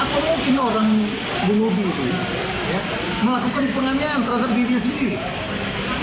apa mungkin orang bungu bungu itu melakukan penganiayaan terhadap diri sendiri